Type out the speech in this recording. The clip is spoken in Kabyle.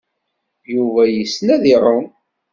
Yuba yessen ad iɛum.